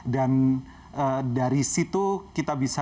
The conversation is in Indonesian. dan dari situ kita bisa